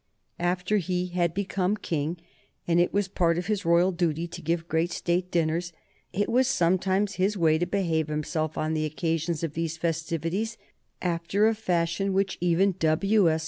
After he had become King, and it was part of his royal duty to give great State dinners, it was sometimes his way to behave himself on the occasions of those festivities after a fashion which even W. S.